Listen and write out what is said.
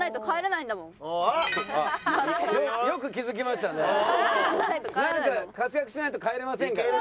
なんか活躍しないと帰れませんからね。